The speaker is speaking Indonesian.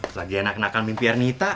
lagi enak enakan mimpi ernita